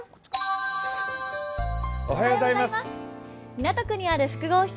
港区にある複合施設